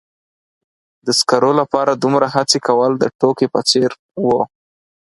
د سکرو لپاره دومره هڅې کول د ټوکې په څیر و.